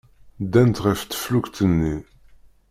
Ddant ɣef teflukt-nni.